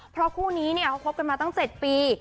เพราะคู่นี้เนี่ยเขาคบกันมาตั้ง๗ปี